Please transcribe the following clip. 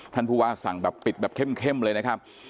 ท่านผู้ว่าสั่งแบบปิดแบบเข้มเลยนะครับ